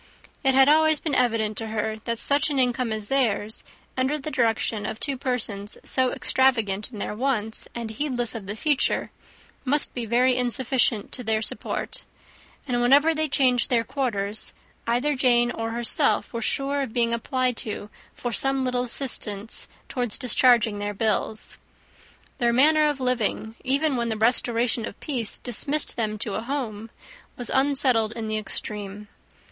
It had always been evident to her that such an income as theirs, under the direction of two persons so extravagant in their wants, and heedless of the future, must be very insufficient to their support; and whenever they changed their quarters, either Jane or herself were sure of being applied to for some little assistance towards discharging their bills. Their manner of living, even when the restoration of peace dismissed them to a home, was unsettled in the extreme.